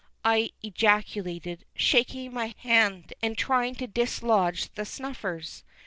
I ejaculated, shaking my hand and trying to dislodge the snuffers.